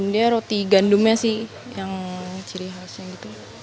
dia roti gandumnya sih yang ciri khasnya gitu